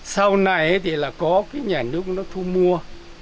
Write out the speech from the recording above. sau này thì là có cái nhà nước nó thu mua